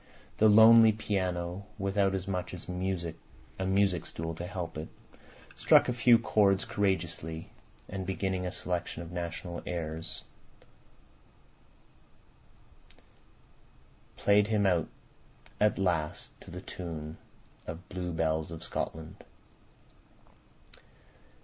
The lonely piano, without as much as a music stool to help it, struck a few chords courageously, and beginning a selection of national airs, played him out at last to the tune of "Blue Bells of Scotland."